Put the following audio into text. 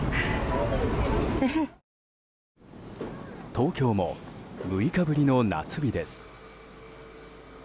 東京も６日ぶりの夏日です。